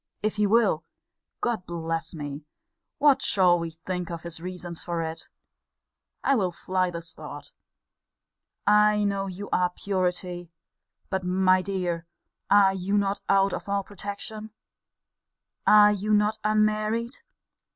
If he will Lord bless me! what shall we think of his reasons for it? I will fly this thought. I know your purity But, my dear, are you not out of all protection? Are you not unmarried?